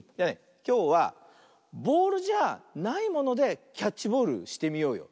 きょうはボールじゃないものでキャッチボールしてみようよ。